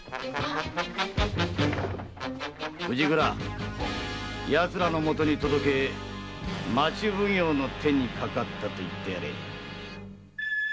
藤倉奴らのもとに届け町奉行の手にかかったと言ってやれ。